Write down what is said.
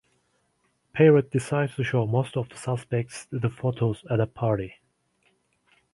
Poirot decides to show most of the suspects the photos at a party.